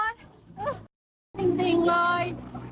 อ๋อจริงเลย